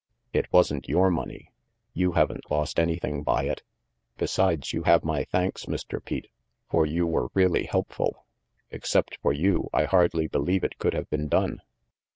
It wasn't your money. You haven't lost anything by it. Besides, you have my thanks, Mr. Pete, for you were really helpful. Except for you, I hardly believe it could have been done."